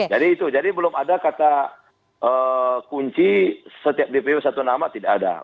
jadi itu jadi belum ada kata kunci setiap dpw satu nama tidak ada